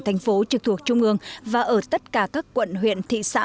thành phố trực thuộc trung ương và ở tất cả các quận huyện thị xã